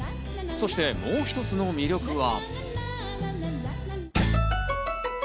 そして、もう一つの魅力は。